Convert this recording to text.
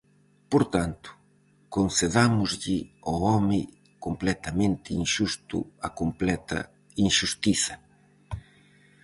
Por tanto, concedámoslle ao home completamente inxusto a completa inxustiza.